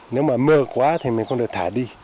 nếu mà mưa quá thì mình không được thả đi